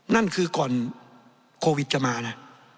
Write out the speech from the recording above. นั่นคือก่อนโควิดจะมานะ